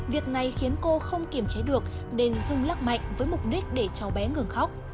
việc này khiến cô không kiểm chế được nên rung lắc mạnh với mục đích để cháu bé ngừng khóc